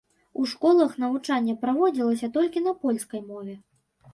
У школах навучанне праводзілася толькі на польскай мове.